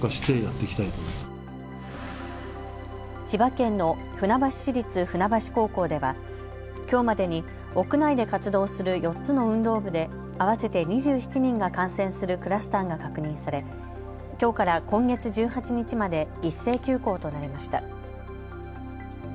千葉県の船橋市立船橋高校ではきょうまでに屋内で活動する４つの運動部で合わせて２７人が感染するクラスターが確認されきょうから今月１８日まで一斉休校となりました。